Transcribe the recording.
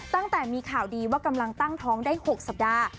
ตั้งแต่มีข่าวดีว่ากำลังตั้งท้องได้๖สัปดาห์